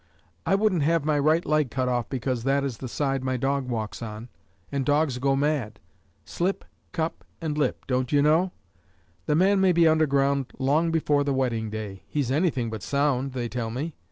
I wouldn't have my right leg cut off because that is the side my dog walks on, and dogs go mad! Slip, cup, and lip don't you know? The man may be underground long before the wedding day: he's anything but sound, they tell me.